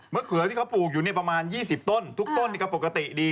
เมื่อเขือที่เขาปลูกอยู่ประมาณ๒๐ต้นทุกต้นก็ปกติดี